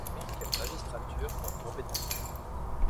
L'ancienne magistrature en tombait d'accord.